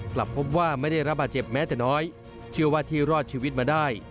กลับพบว่าไม่ได้รับบาดเจ็บแม้แต่น้อยเชื่อว่าที่รอดชีวิตมาได้